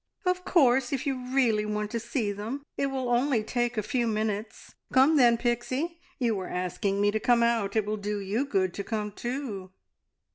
"Of course, if you really want to see them! It will only take a few minutes. Come then, Pixie! You were asking me to come out. It will do you good to come too."